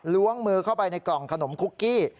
ล้วงมือเข้าไปในกล่องขนมคุกกี้